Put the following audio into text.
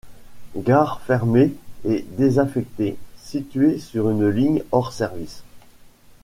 Gare fermée et désaffectée située sur une ligne hors service.